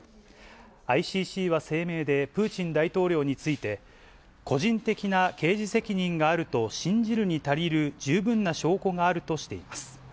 ＩＣＣは声明で、プーチン大統領について、個人的な刑事責任があると信じるに足りる十分な証拠があるとしています。